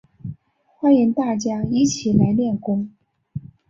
欢迎大家一起来练功